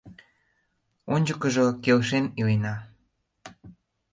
Ончыкыжо келшен илена.